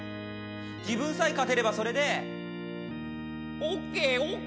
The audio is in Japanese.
自分さえ勝てればそれでＯＫＯＫ」